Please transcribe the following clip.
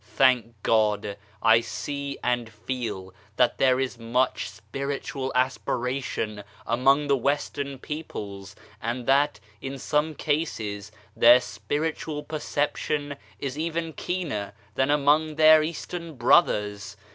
Thank God, I see and feel that there is much spiritual aspiration among the Western peoples, and that in some cases their spiritual perception is even keener than among their Eastern brothers.